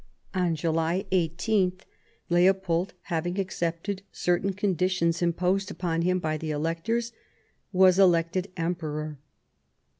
On July 18 Leopold having accepted certain conditions imposed upon him by the electors, was elected Emperor.